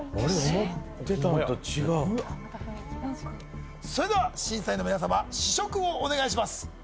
思ってたんと違うまた雰囲気がそれでは審査員の皆さま試食をお願いします